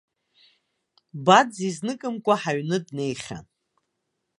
Баӡ изныкымкәа ҳаҩны днеихьан.